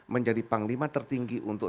menjadi panglima tertinggi untuk